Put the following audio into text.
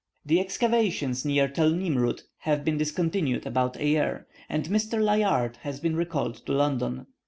The excavations near Tel Nimroud have been discontinued about a year, and Mr. Layard has been recalled to London.